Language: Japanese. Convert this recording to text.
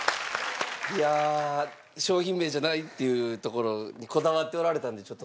いやあ商品名じゃないっていうところにこだわっておられたんでちょっとそこはシビアに。